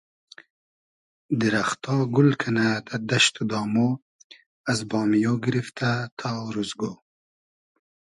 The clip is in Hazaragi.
دیرئختا گول کئنۂ دۂ دئشت و دامۉ از بامیۉ گیریفتۂ تا اوروزگۉ